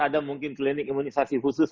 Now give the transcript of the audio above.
ada mungkin klinik imunisasi khusus